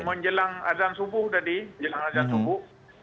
itu pada jam menjelang azan subuh tadi jelang azan subuh